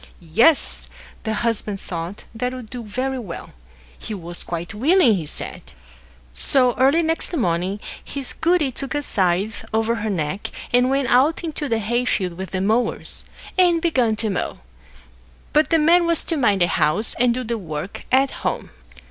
Yes! the Husband thought that would do very well. He was quite willing, he said. So, early next morning, his goody took a scythe over her neck, and went out into the hayfield with the mowers, and began to mow; but the man was to mind the house, and do the work at home.